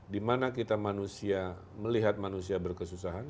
di mana kita manusia melihat manusia berkesusahan